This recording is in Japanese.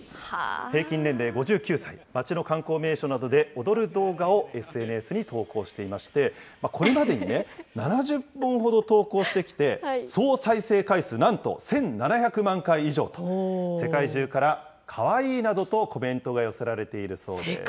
平均年齢５９歳、町の観光名所などで躍る動画をＳＮＳに投稿していまして、これまでにね、７０本ほど投稿してきて、総再生回数なんと１７００万回以上と、世界中からかわいいなどとコメントが寄せられているそうです。